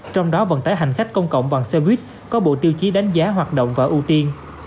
trong đó vận tải hành khách công cộng bằng xe buýt có bộ tiêu chí đánh giá hoạt động và ưu tiên